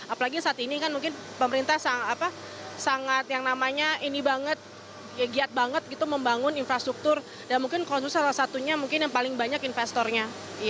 apalagi saat ini kan mungkin pemerintah sangat yang namanya ini banget giat banget gitu membangun infrastruktur dan mungkin konsumsi salah satunya mungkin yang paling banyak investornya